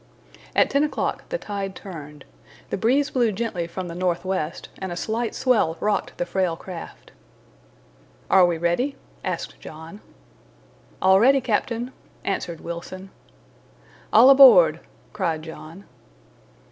At ten o'clock the tide turned. The breeze blew gently from the northwest, and a slight swell rocked the frail craft. "Are we ready?" asked John. "All ready, captain," answered Wilson. "All aboard!" cried John.